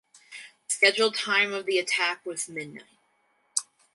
The scheduled time of the attack was midnight.